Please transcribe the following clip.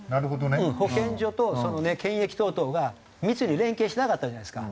保健所と検疫等々が密に連携してなかったじゃないですか。